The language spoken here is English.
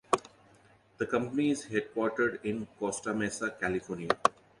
The company is headquartered in Costa Mesa, California.